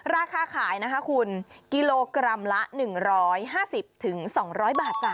ราคาขายนะคะคุณกิโลกรัมละ๑๕๐๒๐๐บาทจ้ะ